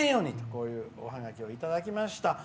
こういうおハガキをいただきました。